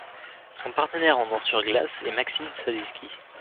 Son partenaire en danse sur glace est Maxim Staviski.